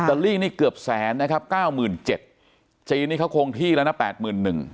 อิตาลีนี่เกือบแสนนะครับเก้ามื่นเจ็ดจีนนี่เขาคงที่ละนะแปดหมื่นหนึ่ง